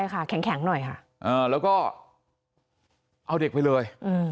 ใช่ค่ะแข็งหน่อยค่ะแล้วก็เอาเด็กไปเลย